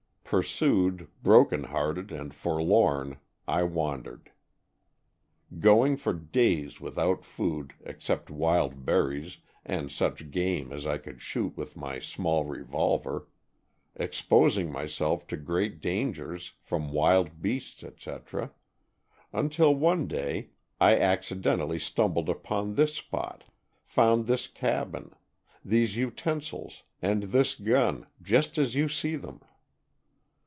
Pursued, bro ken hearted and forlorn, I wandered. Going for days without food except wild berries and such game as I could shoot with my small revolver, exposing myself to great dangers from wild beasts, etc., until one day I accidentally stumbled upon this spot, found this cabin, these utensils and this gun just as you see them.